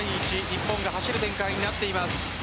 日本が走る展開になっています。